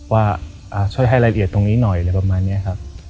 ว่าช่วยให้รายละเอียดตรงนี้หน่อยอะไรประมาณนี้ครับ